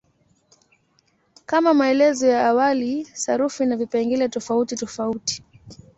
Kama maelezo ya awali, sarufi ina vipengele tofautitofauti.